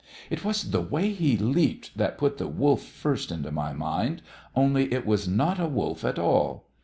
"It was the way he leaped that put the wolf first into my mind, only it was not a wolf at all."